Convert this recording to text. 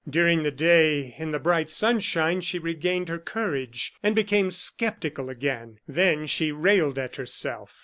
During the day, in the bright sunshine, she regained her courage, and became sceptical again. Then she railed at herself.